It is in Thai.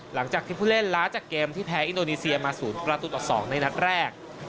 หลังจากที่ผู้เล่นล้าจากเกมที่แพ้อินโดนีเซียมา๐ประตูต่อ๒ในนัดแรก